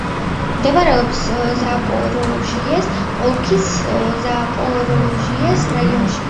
მდებარეობს ზაპოროჟიეს ოლქის ზაპოროჟიეს რაიონში.